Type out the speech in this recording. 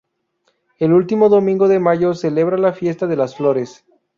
El último domingo de mayo celebra la "Fiesta de las Flores".